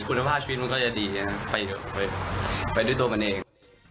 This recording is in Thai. คุณภาพชีวิตมันก็จะดีไปเถอะไปด้วยตัวมันเอง